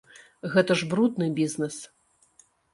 Гэта ж брудны бізнэс!